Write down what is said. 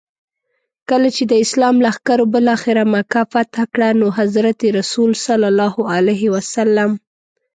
کله چي د اسلام لښکرو بالاخره مکه فتح کړه نو حضرت رسول ص.